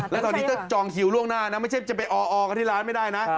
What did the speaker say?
แล้วตอนนี้ก็จองคิวล่วงหน้านะไม่ใช่จะไปออกันที่ร้านไม่ได้นะ